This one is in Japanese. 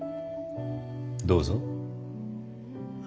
どうぞ。